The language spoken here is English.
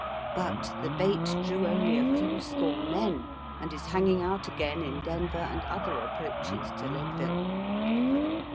But the bait drew only a few score men, and is hanging out again in Denver and other approaches to Leadville.